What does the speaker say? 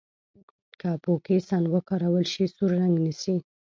که فوکسین وکارول شي سور رنګ نیسي.